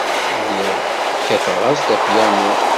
Lliɣ kkateɣ-as-d apyanu.